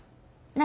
何？